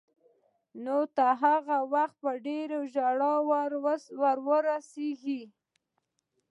نو هغه وخت به ډېر ژر را ورسېږي.